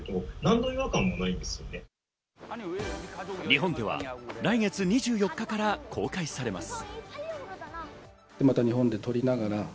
日本では来月２４日から公開されます。